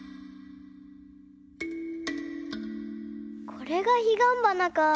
これがひがんばなかぁ。